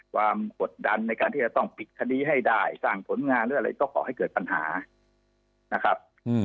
กดดันในการที่จะต้องปิดคดีให้ได้สร้างผลงานหรืออะไรก็ก่อให้เกิดปัญหานะครับ